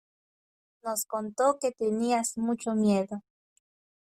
Nos contó que tenías mucho miedo.